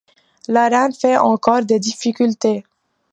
La reine fait encore des difficultés.